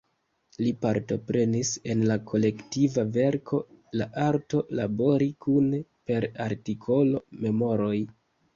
Li partoprenis en kolektiva verko "La arto labori kune" per artikolo "Memoroj".